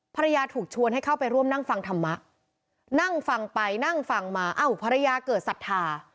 ภรรยาถูกชวนให้เข้าไปร่วมนั่งฟังธรรมะนั่งฟังไปนั่งฟังมาเอ้าภรรยาเกิดศรัทธา